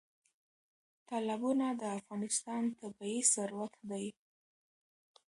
تالابونه د افغانستان طبعي ثروت دی.